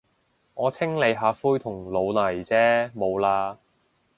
我清理下灰同老泥啫，冇喇。